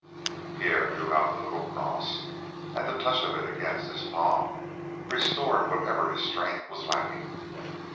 Pierre drew out the little cross, and the touch of it against his palm restored whatever of his strength was lacking.